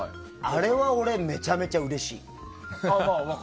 あれは、俺めちゃめちゃうれしい。